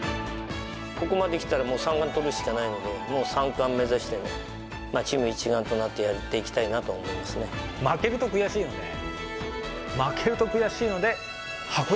ここまできたらもう三冠とるしかないので、もう三冠目指して、チーム一丸となってやっていきた負けると悔しいですね。